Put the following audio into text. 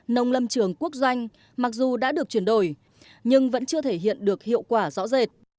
nông lâm trường quốc doanh mặc dù đã được chuyển đổi nhưng vẫn chưa thể hiện được hiệu quả rõ rệt